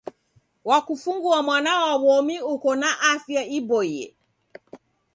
Wakufungua mwana wa w'omi uko na afya iboie.